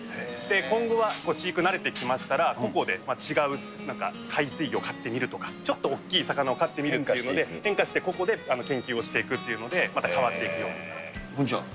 今後は飼育慣れてきましたら、個々で違う海水魚飼ってみるとか、ちょっと大きい魚を飼ってみるということで、変化して、個々で研究をしていくというので、また変こんにちは。